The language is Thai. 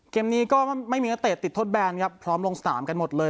เกมนี้ก็ไม่มีนักเตะติดทดแบนครับพร้อมลงสนามกันหมดเลย